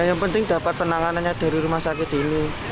yang penting dapat penanganannya dari rumah sakit ini